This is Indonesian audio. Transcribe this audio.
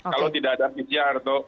kalau tidak ada pcr